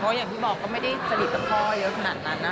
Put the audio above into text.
อย่างที่บอกก็ไม่ได้สนิทกับพ่อเยอะขนาดนั้นนะ